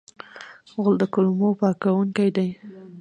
غول د کولمو پاکونکی دی.